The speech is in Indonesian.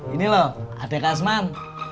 ini loh adek kasman